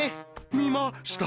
見ました！